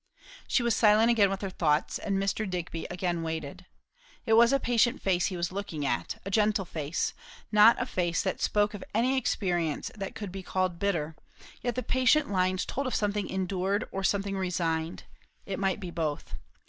She was silent again with her thoughts, and Mr. Digby again waited. It was a patient face he was looking at; a gentle face; not a face that spoke of any experience that could be called bitter, yet the patient lines told of something endured or something resigned; it might be both.